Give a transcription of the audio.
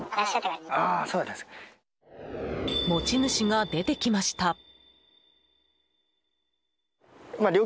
持ち主が出てきました。